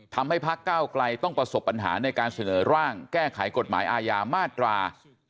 พักเก้าไกลต้องประสบปัญหาในการเสนอร่างแก้ไขกฎหมายอาญามาตรา